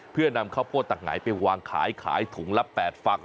เพื่อนำข้าวโพดตักหงายไปวางขายขายถุงละ๘ฟัก